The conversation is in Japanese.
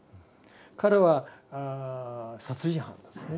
彼は殺人犯なんですね。